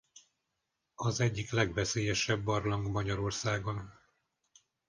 Az egyik legveszélyesebb barlang Magyarországon.